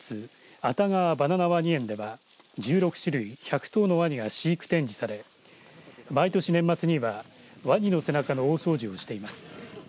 熱川バナナワニ園では１６種類１００頭のわにが飼育展示され毎年、年末にはわにの背中の大掃除をしています。